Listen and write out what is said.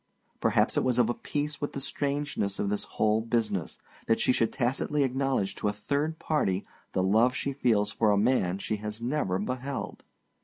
Perhaps it was of a piece with the strangeness of this whole business, that she should tacitly acknowledge to a third party the love she feels for a man she has never beheld!